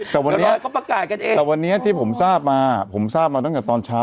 แต่วันนี้ก็ประกาศกันเองแต่วันนี้ที่ผมทราบมาผมทราบมาตั้งแต่ตอนเช้า